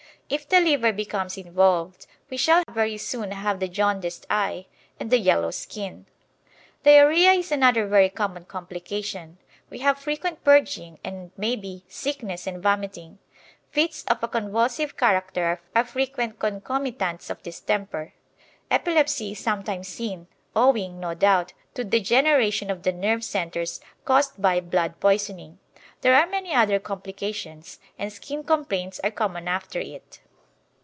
If the liver becomes involved, we shall very soon have the jaundiced eye and the yellow skin. Diarrhoea is another very common complication. We have frequent purging and, maybe, sickness and vomiting. Fits of a convulsive character are frequent concomitants of distemper. Epilepsy is sometimes seen, owing, no doubt, to degeneration of the nerve centres caused by blood poisoning. There are many other complications, and skin complaints are common after it.